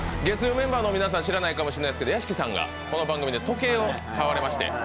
月曜メンバーの皆さん知らないかもしれないですけど、屋敷さんがこの番組で時計を買われまして。